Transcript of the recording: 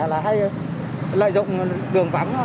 là hay lợi dụng đường vắng